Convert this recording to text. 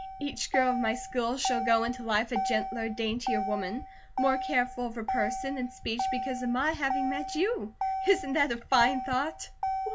Each girl of my school shall go into life a gentler, daintier woman, more careful of her person and speech because of my having met you. Isn't that a fine thought?"